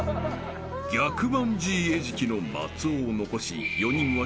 ［逆バンジー餌食の松尾を残し４人は］